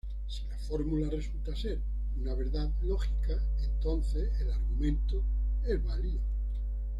Si la fórmula resulta ser una verdad lógica, entonces el argumento es válido.